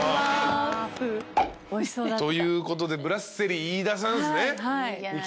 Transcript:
ということでブラッセリー・イイダさんっすね。